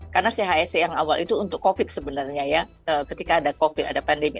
karena chse yang awal itu untuk covid sebenarnya ya ketika ada covid ada pandemi